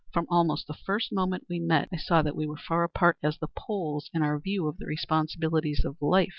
From almost the first moment we met I saw that we were far apart as the poles in our views of the responsibilities of life.